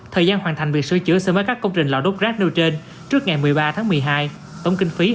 thời gian hoàn thành việc sửa chữa sẽ mới các công trình lò đốt rác nêu trên trước ngày một mươi ba tháng một mươi hai tổng kinh phí hơn sáu tỷ đồng